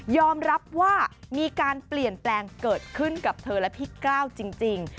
รับว่ามีการเปลี่ยนแปลงเกิดขึ้นกับเธอและพี่ก้าวจริง